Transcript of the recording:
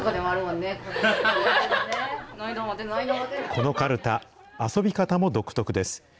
このかるた、遊び方も独特です。